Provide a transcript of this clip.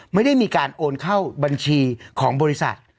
ไม่ได้มีการโอนเข้าบัญชีของบริษัท